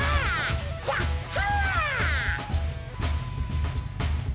ヒャッハ！